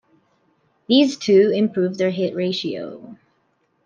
These two improved their hit ratio.